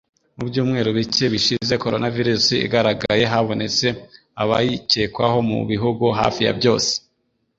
Mu byumweru bicye bishize coronavirus igaragaraye, habonetse abayicyekwaho mu bihugu hafi yabyose.